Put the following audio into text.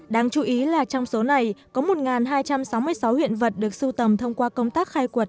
đáng chú ý là trong số này có một hai trăm sáu mươi sáu hiện vật được sưu tầm thông qua công tác khai quật